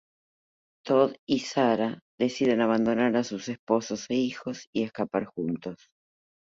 Todd y Sarah deciden abandonar a sus esposos e hijos y escapar juntos.